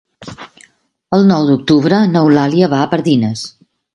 El nou d'octubre n'Eulàlia va a Pardines.